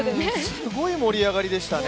すごい盛り上がりでしたね。